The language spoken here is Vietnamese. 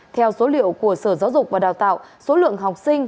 theo số liệu của sở giáo dục và đào tạo số lượng học sinh